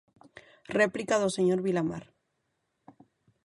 Réplica do señor Vilamar.